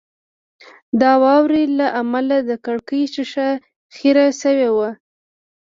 د واورې له امله د کړکۍ شیشه خیره شوې وه